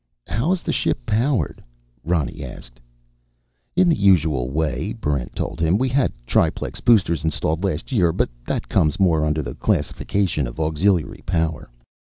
"How is the ship powered?" Ronny asked. "In the usual way," Barrent told him. "We had triplex boosters installed last year, but that comes more under the classification of auxiliary power."